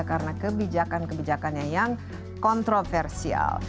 karena kebijakan kebijakannya yang kontroversial